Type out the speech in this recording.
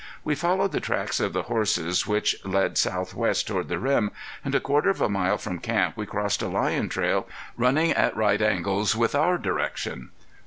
We followed the tracks of the horses which lead southwest toward the rim, and a quarter of a mile from camp we crossed a lion trail running at right angles with our direction.